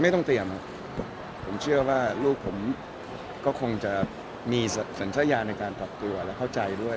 ต้องเตรียมครับผมเชื่อว่าลูกผมก็คงจะมีสัญญาณในการปรับตัวและเข้าใจด้วย